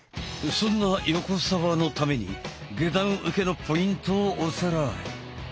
そんな横澤のために下段受けのポイントをおさらい。